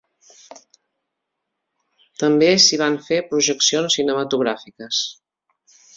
També s'hi van fer projeccions cinematogràfiques.